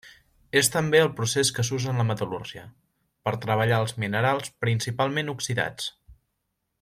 És també el procés que s'usa en la metal·lúrgia, per treballar els minerals principalment oxidats.